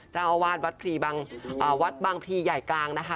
เจ้าอาวาสวัดบางพลีใหญ่กลางนะคะ